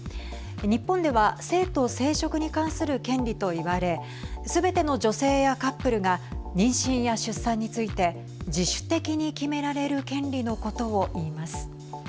日本では性と生殖に関する権利と言われすべての女性やカップルが妊娠や出産について自主的に決められる権利のことを言います。